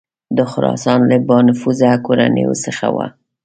د خراسان له بانفوذه کورنیو څخه وه.